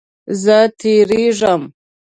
زه تیریږم